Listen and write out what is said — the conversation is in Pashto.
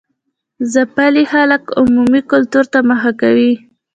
ځپلي خلک عوامي کلتور ته مخه کوي.